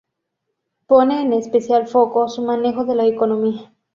Pone en especial foco su manejo de la economía.